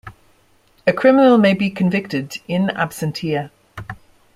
A criminal may be convicted "in absentia".